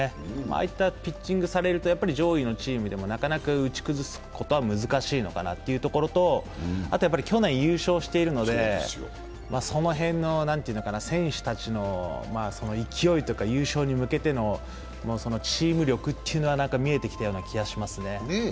ああいったピッチングをされるとなかなか上位のチームでも打ち崩すことは難しいのかなというところとあと、去年優勝しているので、その辺の選手たちの勢いとか、優勝に向けてのチーム力というのは見えてきた気がしますね。